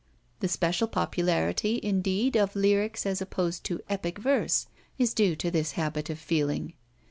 The special popularity, indeed, of lyric as opposed to epic verse is due to this habit of feeling.